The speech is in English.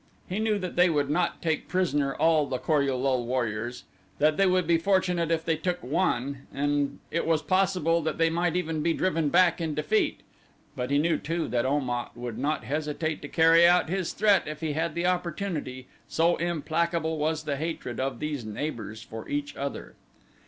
He knew that they would not take prisoner all the Kor ul lul warriors that they would be fortunate if they took one and it was also possible that they might even be driven back in defeat, but he knew too that Om at would not hesitate to carry out his threat if he had the opportunity, so implacable was the hatred of these neighbors for each other.